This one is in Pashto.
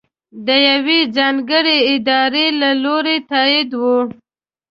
د یوې ځانګړې ادارې له لورې تائید وي.